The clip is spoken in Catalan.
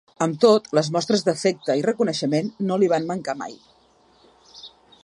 Amb tot, les mostres d’afecte i reconeixement no li van mancar mai.